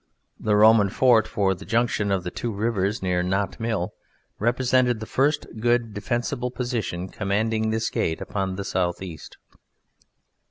The Roman fort at the junction of the two rivers near Knott Mill represented the first good defensible position commanding this gate upon the south east.